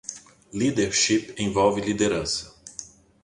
Leadership envolve liderança.